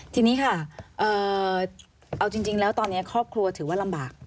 ทีนี้ค่ะเอาจริงแล้วตอนนี้ครอบครัวถือว่าลำบาก